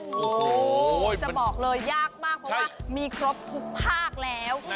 โอ้โหจะบอกเลยยากมากเพราะว่ามีครบทุกภาคแล้ว